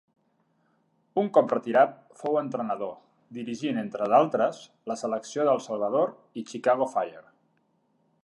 Un cop retirat fou entrenador, dirigint entre d'altres, la selecció del Salvador i Chicago Fire.